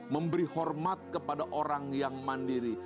memberi hormat kepada orang yang mandiri